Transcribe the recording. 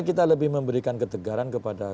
kita lebih memberikan ketegaran kepada